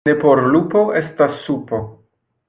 Ne por lupo estas supo.